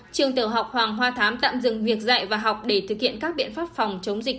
trường tiểu học hoàng hoa thám tạm dừng việc dạy và học để thực hiện các biện pháp phòng chống dịch